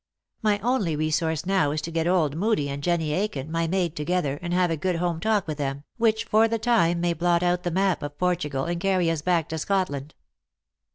" My only resource now is to get old Hoodie and Jennie Aiken, my maid, together, and have a good home talk with them, which, for the time, may blot out the map of Portugal, and carry 113 back to Scotland."